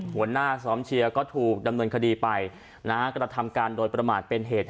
หัวหน้าซ้อมเชียร์ก็ถูกดำเนินคดีไปนะฮะกระทำการโดยประมาทเป็นเหตุ